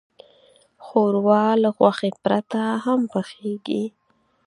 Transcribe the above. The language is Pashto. ښوروا له غوښې پرته هم پخیږي.